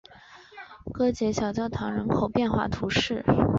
戈捷小教堂人口变化图示